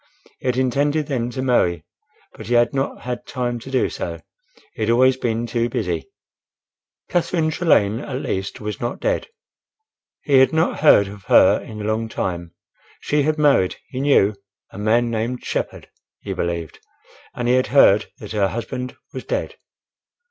He had intended then to marry; but he had not had time to do so; he had always been too busy. Catherine Trelane, at least, was not dead. He had not heard of her in a long time; she had married, he knew, a man named—Shepherd, he believed, and he had heard that her husband was dead.